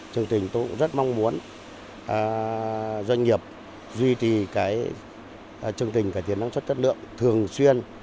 tôi cũng rất mong muốn doanh nghiệp duy trì chương trình cải tiến năng suất chất lượng thường xuyên